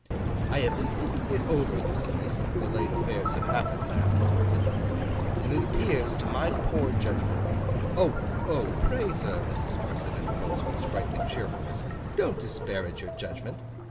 'I have been thinking it over, you see, since the late affairs have happened, ma'am,' said Bounderby; 'and it appears to my poor judgment—' 'Oh! Pray, sir,' Mrs. Sparsit interposed, with sprightly cheerfulness, 'don't disparage your judgment.